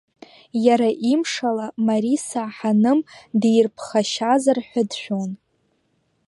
Иара имшала Мариса Ҳаным дирԥхашаьзар ҳәа дшәон.